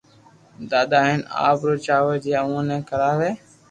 دآدا ھين آپ او چاور جي اووہ ني کراوي